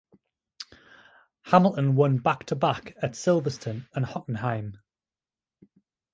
Hamilton won back-to-back at Silverstone and Hockenheim.